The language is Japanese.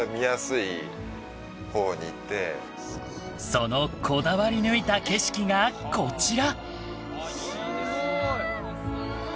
そのこだわりぬいた景色がこちら。